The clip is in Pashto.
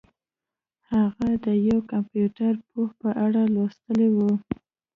هغه د یو کمپیوټر پوه په اړه لوستي وو